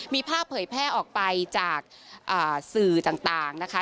มีภาพเผยแพร่ออกไปจากสื่อต่างนะคะ